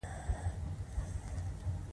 تاریخ د ځانونو بېلګه ده.